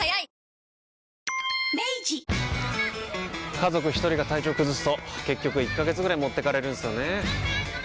家族一人が体調崩すと結局１ヶ月ぐらい持ってかれるんすよねー。